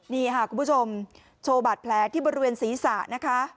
นี่ค่ะคุณผู้ชมโชว์บาดแผลที่บริเวณศีรษะนะคะ